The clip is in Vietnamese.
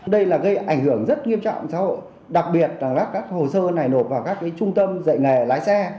đây là gây ảnh hưởng rất nghiêm trọng xã hội đặc biệt là các hồ sơ này nộp vào các trung tâm dạy nghề lái xe